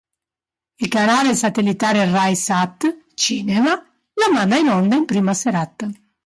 Il canale satellitare Rai Sat Cinema lo manda in onda in prima serata.